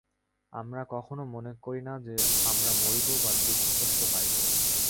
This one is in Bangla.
আমরা কখনও মনে করি না যে, আমরা মরিব বা দুঃখকষ্ট পাইব।